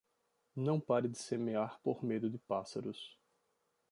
Não pare de semear por medo de pássaros.